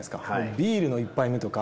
ビールの１杯目とか。